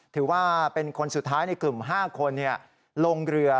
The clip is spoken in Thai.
ถือว่าเป็นคนสุดท้ายในกลุ่ม๕คนลงเรือ